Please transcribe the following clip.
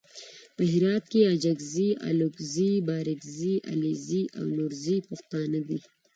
په هرات کې اڅګزي الکوزي بارګزي علیزي او نورزي پښتانه دي.